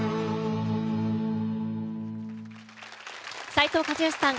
斉藤和義さん